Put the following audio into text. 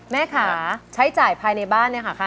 แม่ค่ะใช้จ่ายภายในบ้านเนี่ยค่ะ